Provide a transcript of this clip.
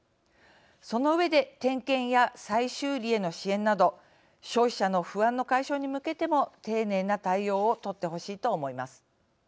その上で、点検や再修理への支援など消費者の不安の解消に向けても丁寧な対応を取ってほしいと思います。